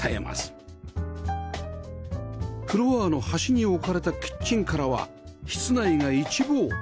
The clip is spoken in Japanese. フロアの端に置かれたキッチンからは室内が一望